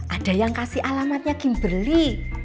ada yang kasih alamatnya gimbeli